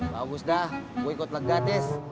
bagus dah gue ikut lega tis